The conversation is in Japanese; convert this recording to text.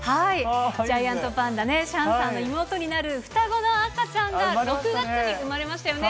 ジャイアントパンダ、シャンシャンの妹になる双子の赤ちゃんが６月に産まれましたよね。